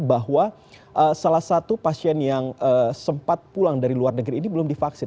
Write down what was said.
bahwa salah satu pasien yang sempat pulang dari luar negeri ini belum divaksin